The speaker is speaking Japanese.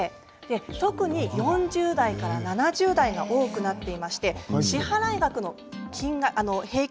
特に４０代から７０代が多くなっていまして支払い額の平均